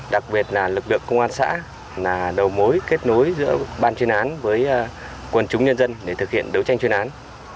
đặc biệt là lực lượng công an xã là đầu mối kết nối giữa ban chuyên án với quần chúng nhân dân để thực hiện đấu tranh chuyên án